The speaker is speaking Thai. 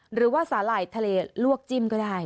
หรือว่าสาหร่ายทะเลลวกจิ้มก็ได้